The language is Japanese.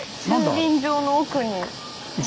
駐輪場の奥に。